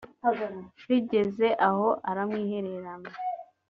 Bigeze aho aramwihererana